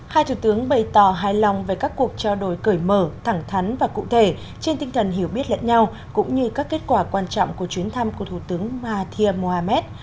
hai thủ tướng bày tỏ hài lòng về các cuộc trao đổi cởi mở thẳng thắn và cụ thể trên tinh thần hiểu biết lẫn nhau cũng như các kết quả quan trọng của chuyến thăm của thủ tướng mahathir mohamed